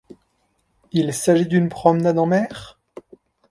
Il s’agit d’une promenade en mer ?